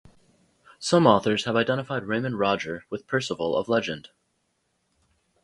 Some authors have identified Raymond Roger with Percival of legend.